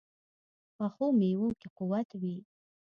پخو میوو کې قوت وي